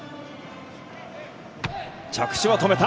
着地は止めた。